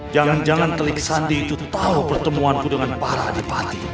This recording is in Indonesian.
jangan jangan telik sandi itu tahu pertemuanku dengan para bupati